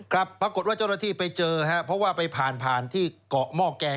ครับปรากฏว่าเจ้ารถที่ไปเจอเพราะว่าไปผ่านที่เกาะม่อแกง